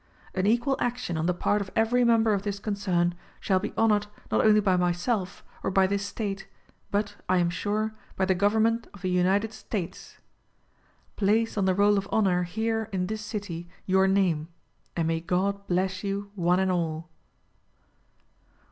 S. An equal action on the part of every member of this concern shall be honored not only bv mvself, or by this state, but, I am sure, by the Government of the UNITED STATES. Place on the roll of honor, here, in this city, your name. And may God bless you one and all.